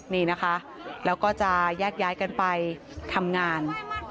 นี่นะคะแล้วก็จะแยกย้ายกันไปทำงาน